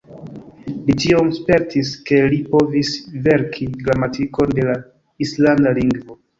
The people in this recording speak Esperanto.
Li tiom spertis ke li povis verki gramatikon de la islanda lingvo.